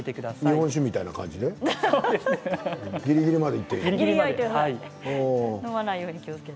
日本酒みたいな感じでぎりぎりまで。